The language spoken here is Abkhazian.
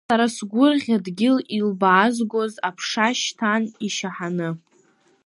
Сара сгәырӷьа дгьыл илбаазгоз аԥша шьҭан ишьаҳаны.